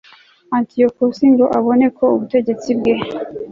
antiyokusi ngo abone ko ubutegetsi bwe